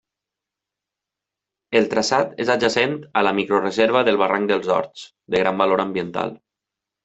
El traçat és adjacent a la microreserva del barranc dels Horts, de gran valor ambiental.